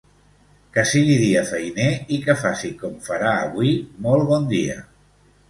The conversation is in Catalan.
Que sigui dia feiner i que faci, com farà avui, molt bon dia.